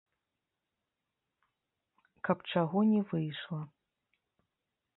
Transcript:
Каб чаго не выйшла.